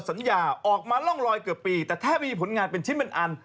สัญญาออกมาร่องลอยเกือบปีแต่แทบไม่มีผลงานเป็นชิ้นเป็นอัน